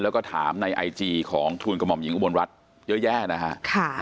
แล้วก็ถามในไอจีของทุนกระหม่อมหญิงอุบลรัฐเยอะแยะนะฮะ